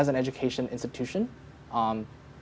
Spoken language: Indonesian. sebagai institusi pendidikan